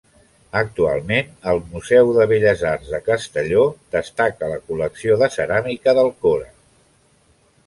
Actualment, al Museu de Belles Arts de Castelló, destaca la col·lecció de ceràmica d'Alcora.